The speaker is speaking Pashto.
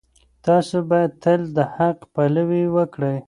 تاسو باید تل د حق پلوي وکړئ.